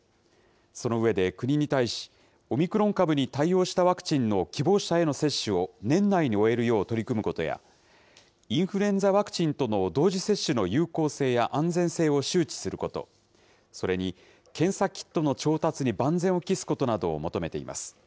その上で、国に対し、オミクロン株に対応したワクチンの希望者への接種を年内に終えるよう取り組むことや、インフルエンザワクチンとの同時接種の有効性や安全性を周知すること、それに、検査キットの調達に万全を期すことなどを求めています。